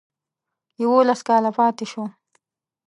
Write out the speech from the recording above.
یوولس کاله پاته شو.